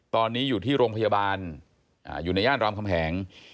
ตอนนี้อยู่ที่โรงพยาบาลอยู่ในย่านรามคำแหง